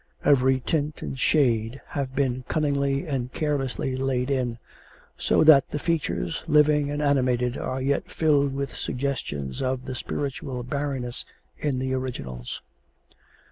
Every tint and shade have been cunningly and caressingly laid in, so that the features, living and animated, are yet filled with suggestions of the spiritual barrenness in the originals.